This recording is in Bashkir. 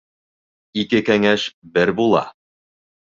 Ике кәңәш бер була